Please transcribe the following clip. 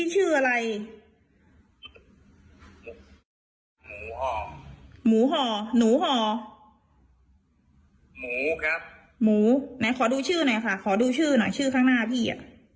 หมูนายขอดูชื่อหน่อยค่ะขอดูชื่อหน่อยชื่อข้างหน้าพี่